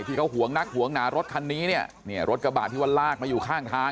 ห่วงนักห่วงหนารถคันนี้เนี่ยรถกระบาดที่ว่าลากมาอยู่ข้างทาง